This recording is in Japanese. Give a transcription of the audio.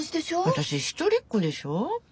私一人っ子でしょ？